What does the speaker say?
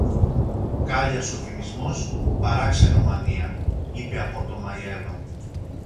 Κάλλια σωβινισμός παρά ξενομανία, είπε απότομα η Εύα.